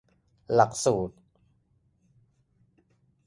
หลักสูตร